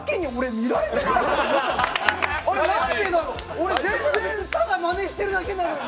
俺、全然ただまねしてるだけなのに！